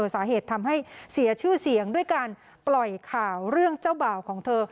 สาเหตุทำให้เสียชื่อเสียงด้วยการปล่อยข่าวเรื่องเจ้าบ่าวของเธอ